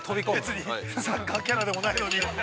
◆別にサッカーキャラでもないのに。